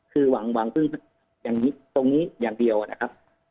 คือหวังพึ่งอย่างนี้ตรงนี้อย่างเดียวนะครับ